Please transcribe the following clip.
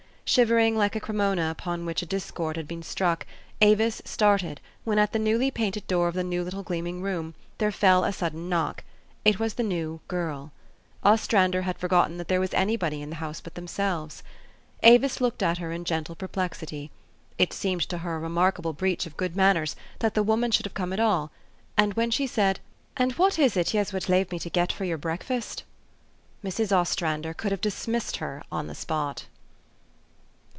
Shivering like a cremona upon which a discord had been struck, Avis started, when at the newly painted door of the new little gleaming room, there fell a sud den knock. It was the new c 4 girl. '' Ostracder had THE STORY OF AVIS. 245 forgotten that there was anybody in the house but themselves. Avis looked at her in gentle perplex* ity. It seemed to her a remarkable breach of good manners, that the woman should have come at all ; and when she said, " An' what is it yez would lave me to get for your breakfast?" Mrs. Ostrander could have dismissed her on the spot.